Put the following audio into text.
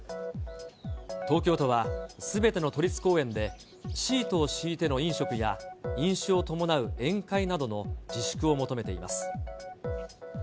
東京都はすべての都立公園で、シートを敷いての飲食や、飲酒を伴う宴会などの自粛を求めています。